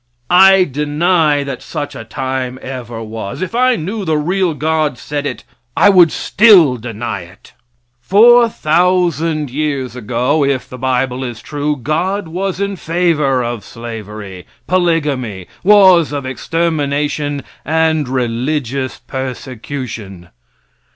I deny that such a time ever was. If I knew the real God said it, I would still deny it. Four thousand years ago, if the bible is true, God was in favor of slavery, polygamy, wars of extermination and religious persecution.